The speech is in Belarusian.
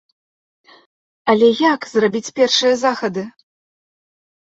Але як зрабіць першыя захады?